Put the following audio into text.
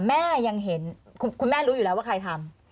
แม่ยังเห็นคุณแม่รู้อยู่แล้วว่าใครทำ